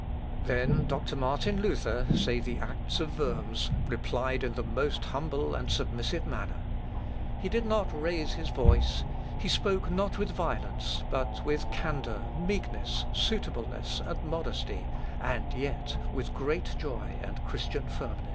"Then doctor Martin Luther," say the Acts of Worms, "replied in the most humble and submissive manner. He did not raise his voice; he spoke not with violence, but with candour, meekness, suitableness, and modesty, and yet with great joy and Christian firmness."